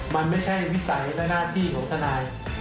มันไม่ใช่วิสัยและหน้าที่ของทนาย